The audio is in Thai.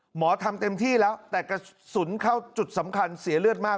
หมอทำเต็มที่แล้วแต่กระสุนเข้าจุดสำคัญเสียเลือดมาก